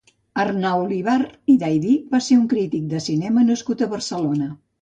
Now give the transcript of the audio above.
Arnau Olivar i Daydí va ser un crític de cinema nascut a Barcelona.